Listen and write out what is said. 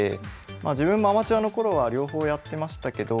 自分もアマチュアの頃は両方やってましたけど。